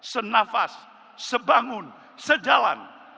senafas sebangun sejalan